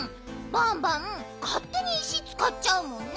バンバンかってに石つかっちゃうもんね。